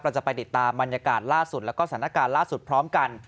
จะไปติดตามบรรยากาศล่าสุดแล้วก็สถานการณ์ล่าสุดพร้อมกัน